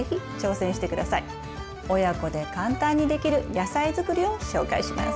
親子で簡単にできる野菜づくりを紹介します。